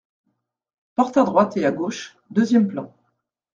Portes à droite et à gauche, deuxième plan.